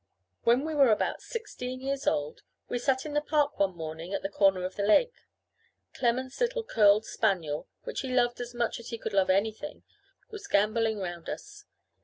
When we were about sixteen years old, we sat in the park one morning, at the corner of the lake; Clement's little curled spaniel, which he loved as much as he could love anything, was gambolling round us.